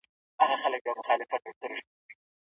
سافټویر انجنیري د محصلینو لپاره عاید پیدا کوي.